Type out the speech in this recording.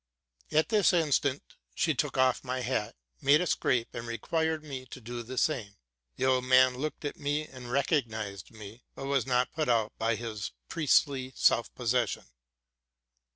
At this instant she took off my hat, made a scrape, and required me to do the same. The old man looked at me and recognized me, but was not put out of his priestly self possession.